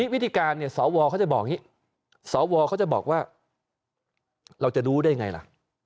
วิธีการสอวรเค้าจะบอกอย่างนี้สอวรเค้าจะบอกว่าเราจะรู้ได้อย่างไงละ